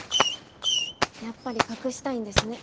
やっぱり隠したいんですね